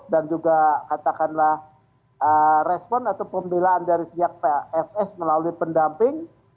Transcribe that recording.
dan juga katakanlah respon atau pemelaan dari siap pak fs melalui pendamping